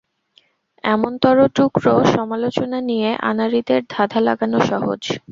এমনতরো টুকরো সমালোচনা নিয়ে আনাড়িদের ধাঁধা লাগানো সহজ।